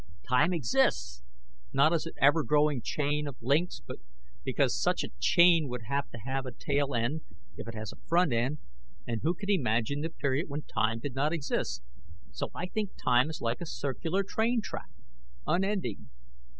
"Time exists. Not as an ever growing chain of links, because such a chain would have to have a tail end, if it has a front end; and who can imagine the period when time did not exist? So I think time is like a circular train track. Unending.